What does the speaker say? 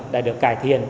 đã được cải thiện